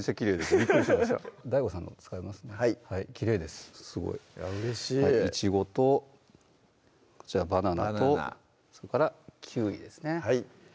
すごいうれしいいちごとこちらバナナとそれからキウイですね